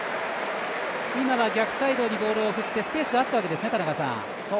今は逆サイドにボールを振ってスペースがあったわけですね？